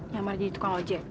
nyamar jadi tukang ojek